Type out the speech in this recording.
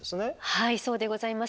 はいそうでございます。